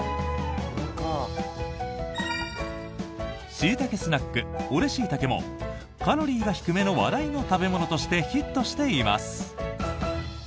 しいたけスナック俺しいたけもカロリーが低めの話題の食べ物としてヒットしています。